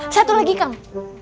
satu lagi kang